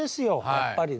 やっぱりね。